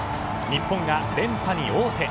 日本が連覇に王手。